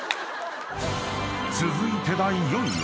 ［続いて第４位は］